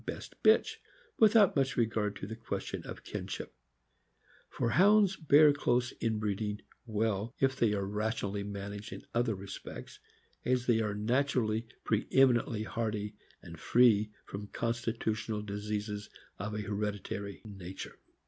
203 best bitch, without much regard to the question of kinship; for Hounds bear close inbreeding well if they are rationally managed in other respects, as they are naturally preemi nently hardy and free from constitutional diseases of a her editary nature.